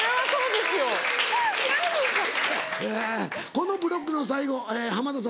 このブロックの最後濱田さん